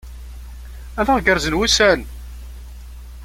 Ad aɣ-gerrzen wussan!